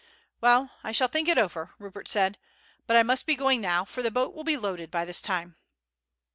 "Well, I shall think it over," Rupert said; "but I must be going now, for the boat will be loaded by this time."